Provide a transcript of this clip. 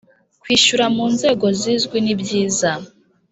kwishyura mu Nzego zizwi nibyiza